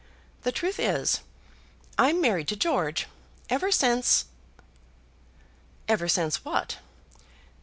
The truth is, I'm married to George. Ever since " "Ever since what?"